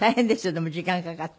でも時間がかかって。